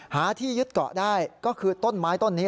หาที่ยึดเกาะได้ก็คือต้นไม้ต้นนี้